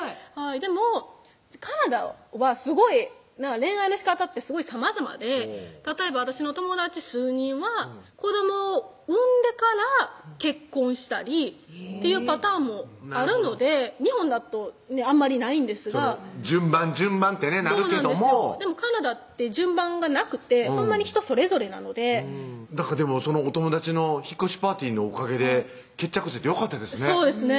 でもカナダはすごい恋愛のしかたってさまざまで例えば私の友達数人は子ども産んでから結婚したりっていうパターンもあるので日本だとあんまりないんですが順番順番ってねなるけどもでもカナダって順番がなくてほんまに人それぞれなのででもそのお友達の引っ越しパーティーのおかげで決着ついてよかったですね